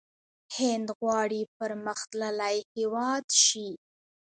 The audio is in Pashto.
هند غواړي پرمختللی هیواد شي.